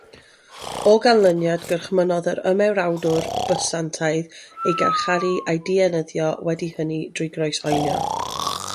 O ganlyniad, gorchmynnodd yr ymerawdwr Bysantaidd ei garcharu a'i ddienyddio wedi hynny trwy groeshoelio.